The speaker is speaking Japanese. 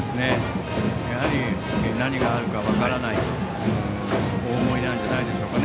やはり何があるか分からないとお思いなんじゃないでしょうか。